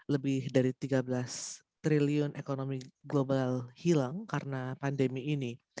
lebih dari tiga belas triliun ekonomi global hilang karena pandemi ini